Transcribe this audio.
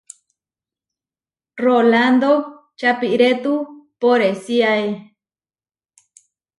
Rolando čapirétu poresíae.